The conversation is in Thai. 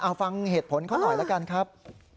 เอาฟังเหตุผลเขาหน่อยละกันครับ